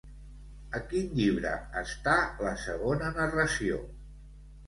A quin llibre està la segona narració?